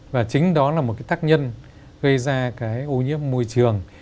và chính đó là một cái tác nhân gây ra cái ô nhiễm môi trường